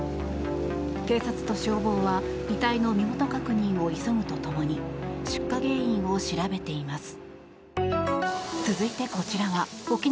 警察と消防は遺体の身元確認を急ぐとともに出火原因を調べています。